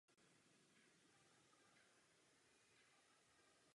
Alfred Byrne pracuje jako průvodčí autobusové společnosti v Dublinu.